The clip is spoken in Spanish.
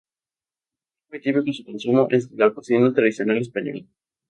Es muy típico su consumo en la cocina tradicional española.